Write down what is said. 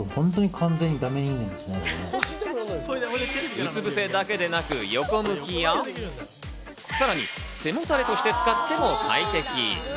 うつぶせだけでなく横向きや、さらに背もたれとして使っても快適。